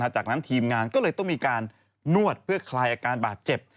จากนั้นทีมงานก็เลยต้องมีการนวดเพื่อคลายอาการบาดเจ็บ